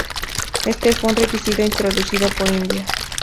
Este fue un requisito introducido por India.